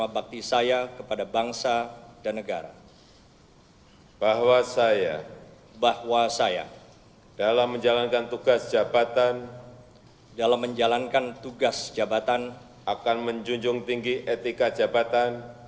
bahwa saya dalam menjalankan tugas jabatan